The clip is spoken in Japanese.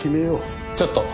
ちょっと。